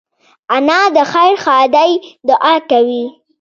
انا د خیر ښادۍ دعا کوي